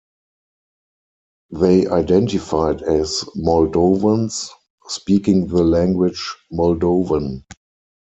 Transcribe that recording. They identified as Moldovans speaking the language Moldovan.